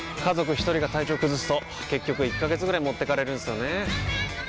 一人が体調崩すと結局１ヶ月ぐらい持ってかれるんすよねー。